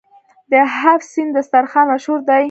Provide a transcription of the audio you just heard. د هفت سین دسترخان مشهور دی.